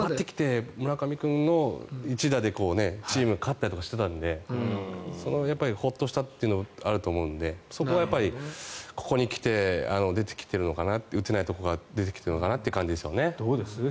村上君の一打でチームが勝ったりとかしていたのでホッとしたというのはあると思うのでそこはやっぱりここに来て打てないところが出てきているのかなという感じですね。